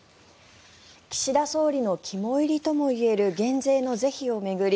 岸田総理の肝煎りともいえる減税の是非を巡り